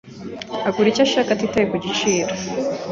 Agura ibyo ashaka atitaye kubiciro.